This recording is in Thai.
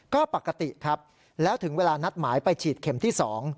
ก็ปกติครับแล้วถึงเวลานัดหมายไปฉีดเข็มที่๒